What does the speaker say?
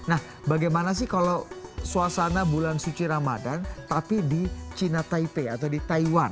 nah bagaimana sih kalau suasana bulan suci ramadan tapi di china taipei atau di taiwan